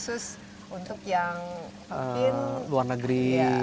khusus untuk yang luar negeri